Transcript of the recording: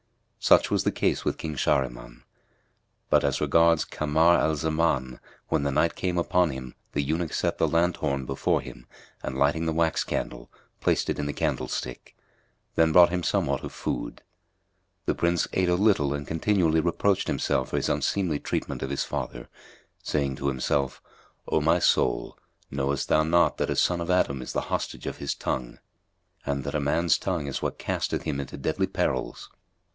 Such was the case with King Shahriman; but as regards Kamar al Zaman, when the night came upon him the eunuch set the lanthorn before him and lighting the wax candle, placed it in the candlestick; then brought him somewhat of food. The Prince ate a little and continually reproached himself for his unseemly treatment of his father, saying to himself, "O my soul, knowest thou not that a son of Adam is the hostage of his tongue, and that a man's tongue is what casteth him into deadly perils?"